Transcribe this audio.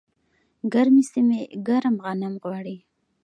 ګرمې سیمې ګرم غنم غواړي.